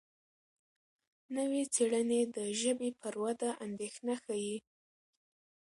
نوې څېړنې د ژبې پر وده اندېښنه ښيي.